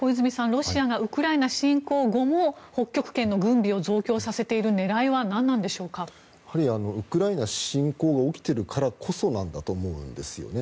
ロシアがウクライナ侵攻後も北極圏の軍備を増強させている狙いはウクライナ侵攻が起きているからこそなんだと思うんですよね。